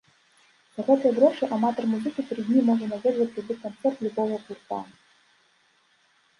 За гэтыя грошы аматар музыкі тры дні можа наведваць любы канцэрт любога гурта.